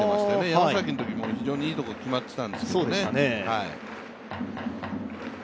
山崎のときも非常にいいところに決まっていたんですけどね。